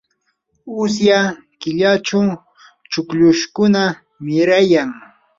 usya killachu chukllushkuna mirayan.